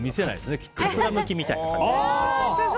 かつらむきみたいな感じで。